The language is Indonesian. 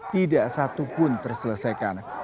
tidak satu pun terselesaikan